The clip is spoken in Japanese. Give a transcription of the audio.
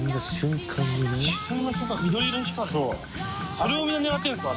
それをみんな狙ってるんですか？